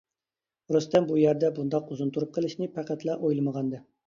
رۇستەم بۇ يەردە بۇنداق ئۇزۇن تۇرۇپ قېلىشىنى پەقەتلا ئويلىمىغانىدى.